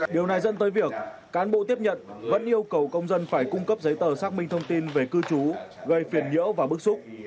điều này dẫn tới việc cán bộ tiếp nhận vẫn yêu cầu công dân phải cung cấp giấy tờ xác minh thông tin về cư trú gây phiền nhiễu và bức xúc